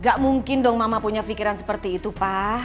gak mungkin dong mama punya pikiran seperti itu pak